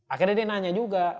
akhirnya dia nanya juga